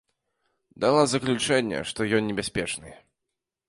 Дала заключэнне, што ён небяспечны.